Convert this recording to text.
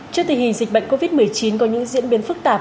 trước tình hình dịch bệnh covid một mươi chín có những diễn biến phức tạp